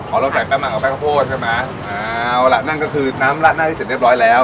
เราใส่แป้งมันกับแป้งข้าวโพดใช่ไหมเอาล่ะนั่นก็คือน้ำละหน้าให้เสร็จเรียบร้อยแล้ว